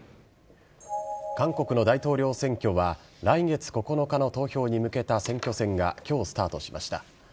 韓国の大統領選挙は、来月９日の投票に向けた選挙戦がきょうスタートしました。